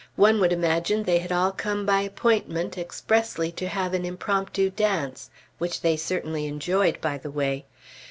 One would imagine they had all come by appointment, expressly to have an impromptu dance, which they certainly enjoyed, by the way.